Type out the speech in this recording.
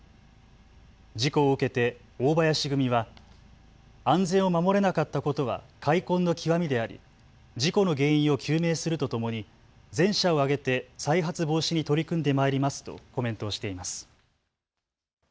事故を受けて大林組は安全を守れなかったことは悔恨の極みであり事故の原因を究明するとともに全社を挙げて再発防止に取り組んでまいりますとコメントしています。